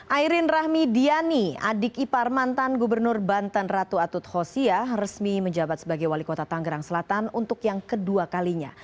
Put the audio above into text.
airin rahmi diani adik ipar mantan gubernur banten ratu atut khosia resmi menjabat sebagai wali kota tanggerang selatan untuk yang kedua kalinya